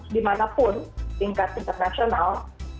di mana pun tingkat internasional